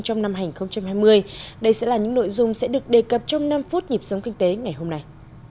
trong năm hai nghìn hai mươi đây sẽ là những nội dung sẽ được đề cập trong năm phút nhịp sống kinh tế ngày hôm nay